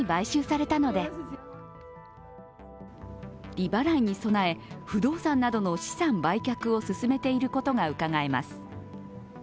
利払いに備え不動産などの資産売却を進めていることがうかがえます。